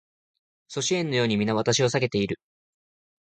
阻止円のように皆私を避けている